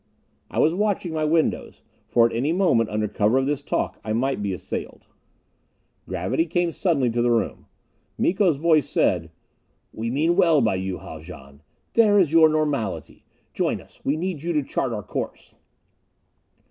I was watching my windows; for at any moment, under cover of this talk, I might be assailed. Gravity came suddenly to the room. Miko's voice said. "We mean well by you, Haljan. There is your normality. Join us. We need you to chart our course."